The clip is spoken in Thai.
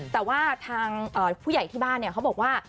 แต่ว่าทางผู้ใหญ่ที่บ้านเขาบอกว่า